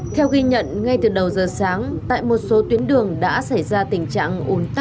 theo ghi nhận ngay từ đầu giờ sáng tại một số tuyến đường đã xảy ra tình trạng ồn tắc